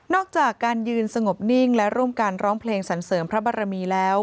จากการยืนสงบนิ่งและร่วมกันร้องเพลงสรรเสริมพระบรมีแล้ว